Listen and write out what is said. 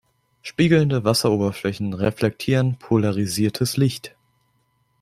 Spiegelnde Wasseroberflächen reflektieren polarisiertes Licht.